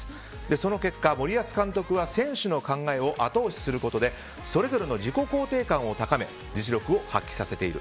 その結果森保監督は選手の考えを後押しすることでそれぞれの自己肯定感を高め実力を発揮させている。